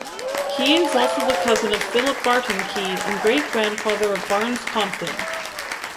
Key is also the cousin of Philip Barton Key and great-grandfather of Barnes Compton.